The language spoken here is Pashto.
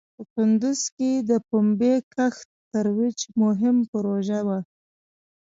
په کندوز کې د پومبې کښت ترویج مهم پروژه وه.